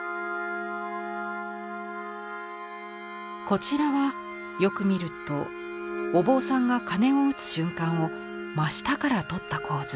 こちらはよく見るとお坊さんが鐘を打つ瞬間を真下から撮った構図。